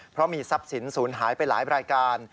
เพราะมีทรัพย์สินศูนย์หายไปหลายรายการ